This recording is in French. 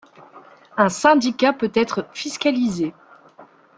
Un syndicat peut être fiscalisé.